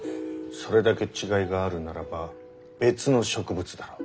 それだけ違いがあるならば別の植物だろう。